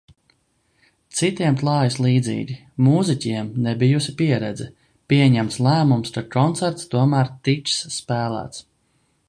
Citiem klājas līdzīgi. Mūziķiem nebijusi pieredze – pieņemts lēmums, ka koncerts tomēr tiks spēlēts.